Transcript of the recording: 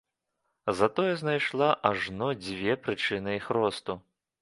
Затое знайшла ажно дзве прычыны іх росту.